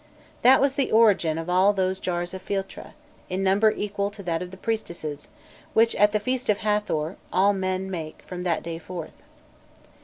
That was the origin of all those jars of philtre, in number equal to that of the priestesses, which, at the feast of Hâthor, all men make from that day forth."